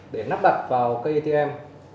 để nắp đặt vào cây atm